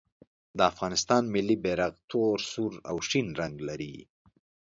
د افغانستان ملي بیرغ تور، سور او شین رنګ لري.